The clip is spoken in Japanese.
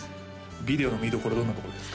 ビデオの見どころどんなところですか？